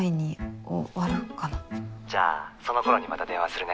「じゃあその頃にまた電話するね」